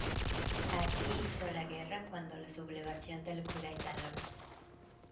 aquí hizo la guerra cuando la sublevación del cura Hidalgo.